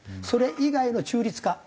それ以外の中立化